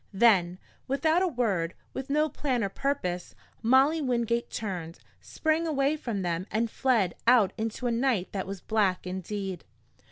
Then, without a word, with no plan or purpose, Molly Wingate turned, sprang away from them and fled out into a night that was black indeed.